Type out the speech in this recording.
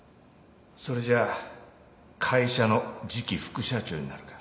それじゃあ会社の次期副社長になるか。